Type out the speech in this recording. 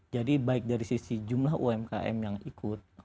jadi baik dari sisi jumlah umkm yang ikut